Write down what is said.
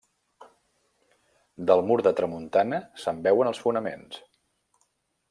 Del mur de tramuntana se'n veuen els fonaments.